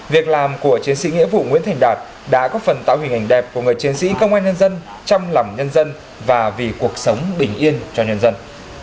việc làm của chiến sĩ nghĩa vụ nguyễn thành đạt đã có phần tạo hình hình đẹp của người chiến sĩ công an nhân dân trong lòng nhân dân và vì cuộc sống bình yên cho nhân dân